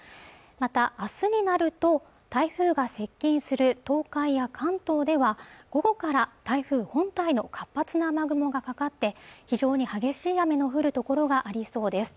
また明日になると台風が接近する東海や関東では午後から台風本体の活発な雨雲がかかって非常に激しい雨の降る所がありそうです